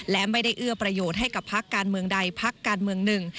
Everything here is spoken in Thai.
และไม่ได้เอื้อประโยชน์ให้กับพักการเมืองใดพักการเมืองหนึ่ง